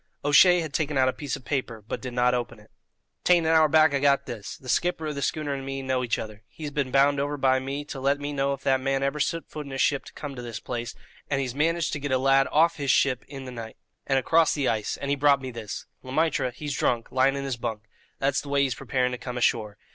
O'Shea had taken out a piece of paper, but did not open it. "'Tain't an hour back I got this. The skipper of the schooner and me know each other. He's been bound over by me to let me know if that man ever set foot in his ship to come to this place, and he's managed to get a lad off his ship in the noight, and across the ice, and he brought me this. Le Maître, he's drunk, lyin' in his bunk; that's the way he's preparing to come ashore.